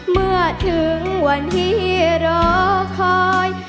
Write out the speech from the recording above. เมื่อถึงวันที่รอคอย